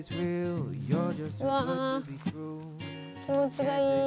うわ気持ちがいい。